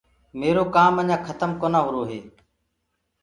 ميرو ڪآم اڃآ کتم ڪونآ هورو هي۔